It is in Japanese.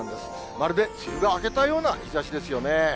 まるで梅雨が明けたような日ざしですよね。